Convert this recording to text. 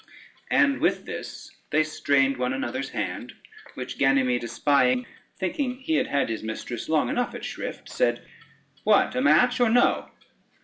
And with this they strained one another's hand; which Ganymede espying, thinking he had had his mistress long enough at shrift, said: "What, a match or no?"